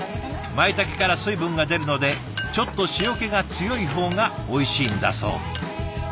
まいたけから水分が出るのでちょっと塩気が強い方がおいしいんだそう。